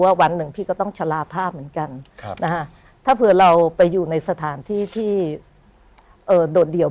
ซูซี่คุณซูซี่คุณซูซี่คุณซูซี่คุณซูซี่